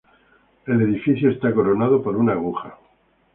El edificio está coronado por una aguja.